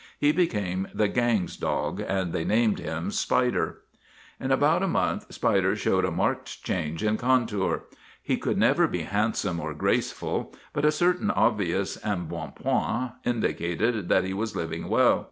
He became the gang's dog, and they named him Spider. In about a month Spider showed a marked change in contour. He could never be handsome or grace ful, but a certain obvious embonpoint indicated that he was living well.